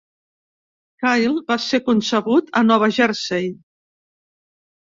Kyle va ser concebut a Nova Jersey.